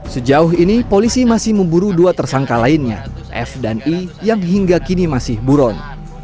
sejauh ini polisi masih memburu dua tersangka lainnya f dan i yang hingga kini masih buron